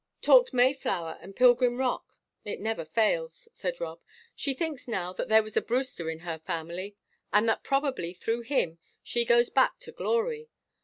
"Talked Mayflower and Pilgrim Rock it never fails," said Rob. "She thinks now there was a Brewster in her family, and that probably through him she goes back to glory.